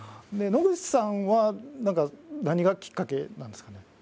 野口さんは何がきっかけなんですかね？